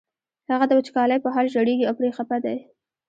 هغه د وچکالۍ په حال ژړېږي او پرې خپه دی.